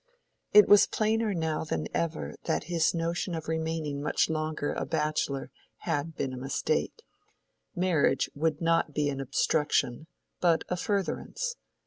It was plainer now than ever that his notion of remaining much longer a bachelor had been a mistake: marriage would not be an obstruction but a furtherance.